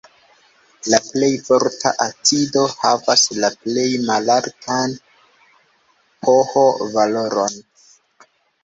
La plej forta acido havas la plej malaltan pH-valoron.